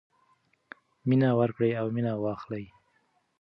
مینه ورکړئ او مینه واخلئ.